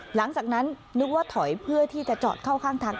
หลังจากนั้นนึกว่าถอยเพื่อที่จะจอดเข้าข้างทาง